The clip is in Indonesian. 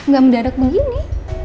gak mendadak begini